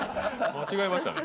間違えましたね。